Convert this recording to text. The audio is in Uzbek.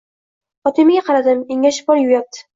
Fotimaga qaradim engashib pol yuvyapti.